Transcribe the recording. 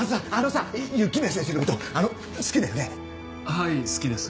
はい好きです。